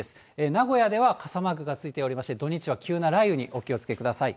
名古屋では傘マークがついておりまして、土日は急な雷雨にお気をつけください。